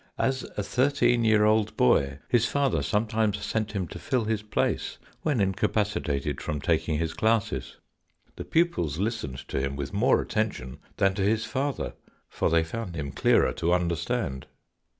As a thirteen year old boy his father sometimes sent him to fill his place when incapacitated from taking his classes. The pupils listened to him with more attention than to his father for they found him clearer to understand.